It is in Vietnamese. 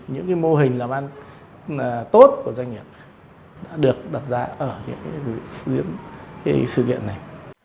những mô hình làm ăn tốt của doanh nghiệp đã được đặt ra ở những sự kiện này